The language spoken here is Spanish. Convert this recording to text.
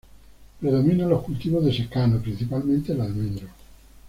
Predominan los cultivos de secano, principalmente el almendro.